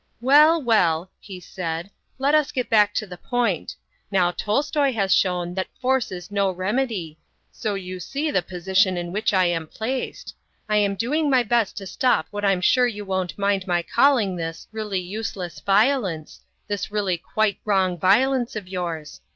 "Well, well," he said, "let us get back to the point. Now Tolstoy has shown that force is no remedy; so you see the position in which I am placed. I am doing my best to stop what I'm sure you won't mind my calling this really useless violence, this really quite wrong violence of yours.